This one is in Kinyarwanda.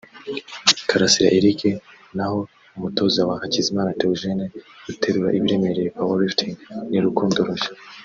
Karasira Eric naho umutoza wa Hakizimana Théogène uterura ibiremereye (power lifting) ni Rukundo Roger